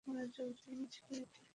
মনোযোগ দিন, সিকিউরিটি।